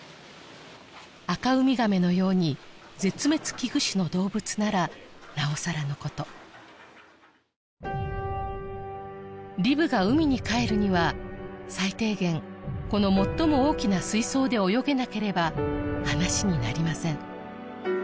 アカウミガメのように絶滅危惧種の動物ならなおさらのことリブが海に帰るには最低限この最も大きな水槽で泳げなければ話になりません